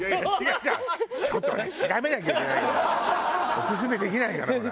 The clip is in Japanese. オススメできないからほら。